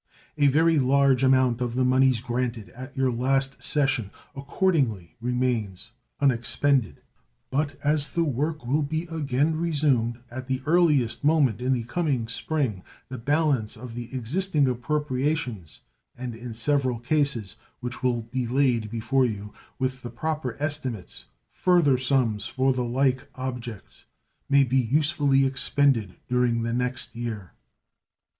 A very large amount of the moneys granted at your last session accordingly remains unexpended; but as the work will be again resumed at the earliest moment in the coming spring, the balance of the existing appropriations, and in several cases which will be laid before you, with the proper estimates, further sums for the like objects, may be usefully expended during the next year.